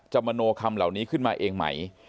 มโนคำเหล่านี้ขึ้นมาเองไหม